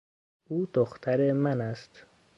او دختر من است.